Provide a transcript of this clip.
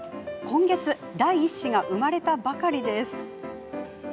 今月、第一子が生まれたばかりです。